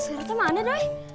suara tuh mana doi